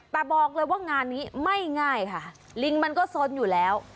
แต่บอกเลยว่างานนี้ไม่ง่ายค่ะลิงมันก็สนอยู่แล้ว